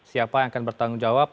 siapa yang akan bertanggung jawab